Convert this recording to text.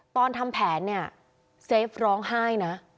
ตอนทำแผนเนี่ยเซฟร้องไห้นะ